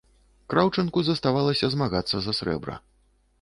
Краўчанку заставалася змагацца за срэбра.